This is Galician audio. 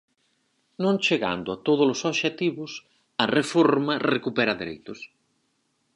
Non chegando a todos os obxectivos, a reforma recupera dereitos.